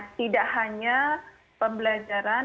tidak hanya pembelajaran